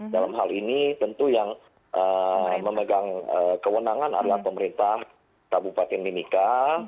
dalam hal ini tentu yang memegang kewenangan adalah pemerintah kabupaten mimika